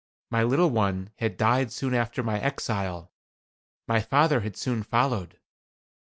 My little one had died soon after my exile. My father had soon followed.